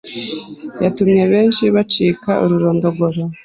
yatumye benshi bacika ururondogoro